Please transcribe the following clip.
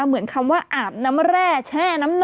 เหมือนคำว่าอาบน้ำแร่แช่น้ำหนัก